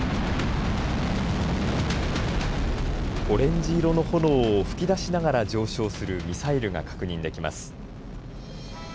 オレンジ色の炎を噴き出しながら上昇するミサイルが確認できます。